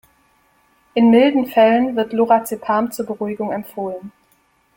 In milden Fällen wird Lorazepam zur Beruhigung empfohlen.